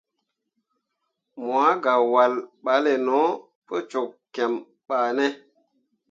Mo ah gah wahl balle no pu cok kiem bah ne.